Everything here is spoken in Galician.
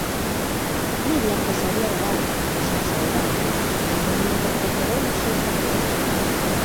Miriam pasaría de largo, sen saudarme, de non me interpoñer eu no seu camiño.